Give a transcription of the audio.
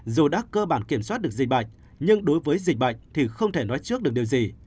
dù đã cơ bản kiểm soát được dịch bệnh nhưng đối với dịch bệnh thì không thể nói trước được điều gì